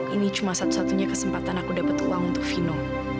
ini cuma satu satunya kesempatan aku dapat uang untuk vino